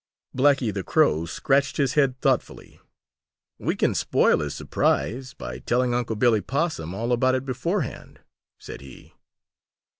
Blacky the Crow scratched his head thoughtfully. "We can spoil his surprise by telling Unc' Billy Possum all about it beforehand," said he.